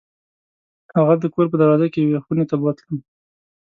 هغه د کور په دروازه کې یوې خونې ته بوتلم.